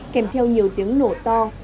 kèm theo nhiều tiếng nổ to